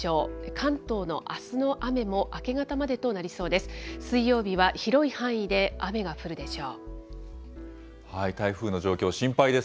関東のあすの雨も明け方までとなりそうです。